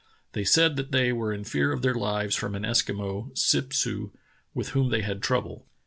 They said that they were in fear of their lives from an Eskimo, Sip su, with whom they had trouble.